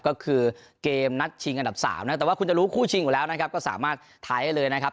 ก็คือเกมนัดชิงอันดับ๓นะครับแต่ว่าคุณจะรู้คู่ชิงอยู่แล้วนะครับก็สามารถไทยได้เลยนะครับ